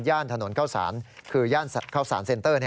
ถนนเข้าสารคือย่านเข้าสารเซ็นเตอร์